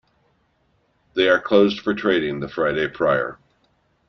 They are closed for trading the Friday prior.